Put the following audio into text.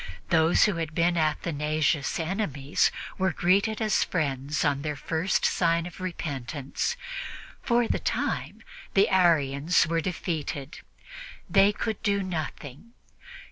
Those who had been Athanasius' enemies were greeted as friends on their first sign of repentance. For the time, the Arians were defeated; they could do nothing.